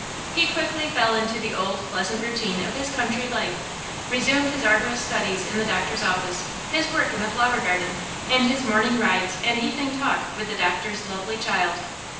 He quickly fell into the old pleasant routine of his country life, resumed his arduous studies in the doctor's office, his work in the flower garden, and his morning rides and evening talk with the doctor's lovely child.